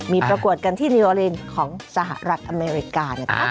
มีประกวดกันที่นิวอลินของสหรัฐอเมริกานะคะ